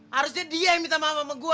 harusnya dia yang minta maaf sama gue